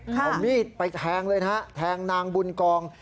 เอามีดไปแทงเลยนะฮะแทงนางบุญกอง